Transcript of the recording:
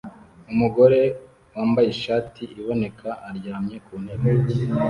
Umugore wambaye ishati iboneka aryamye ku ntebe